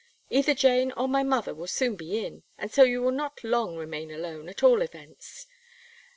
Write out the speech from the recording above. Either Jane or my mother will soon be in, and so you will not long remain alone, at all events."